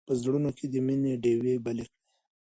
په زړونو کې د مینې ډېوې بلې کړئ.